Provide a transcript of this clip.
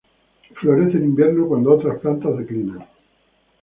Florece en invierno cuando otras plantas declinan.